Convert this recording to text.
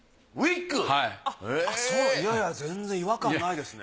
いやいや全然違和感ないですね。